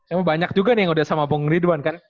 emang banyak juga nih yang udah sama bung ridwan kan